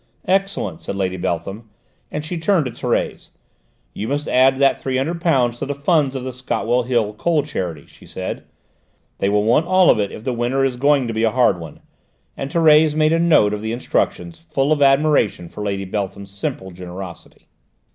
"Excellent," said Lady Beltham, and she turned to Thérèse. "You must add that three hundred pounds to the funds of the Scotwell Hill coal charity," she said. "They will want all of it if the winter is going to be a hard one," and Thérèse made a note of the instruction, full of admiration for Lady Beltham's simple generosity.